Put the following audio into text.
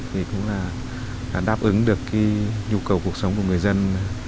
thì cũng là đáp ứng được cái nhu cầu cuộc sống của người dân